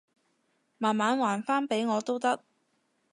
慢慢還返畀我都得